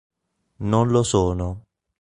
Non lo sono.